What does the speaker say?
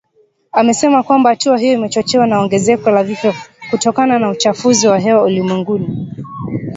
amesema kwamba hatua hiyo imechochewa na ongezeko la vifo kutokana na uchafuzi wa hewa ulimwenguni